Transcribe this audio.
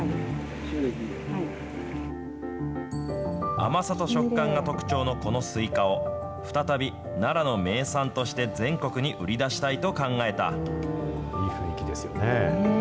甘さと食感が特徴のこのスイカを、再び奈良の名産として全国に売り出したいと考えた。